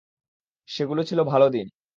সেগুলো ছিলো ভালো দিন।